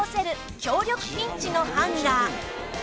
強力ピンチのハンガー